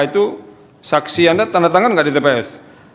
itu saksi anda tanda tangan nggak di tps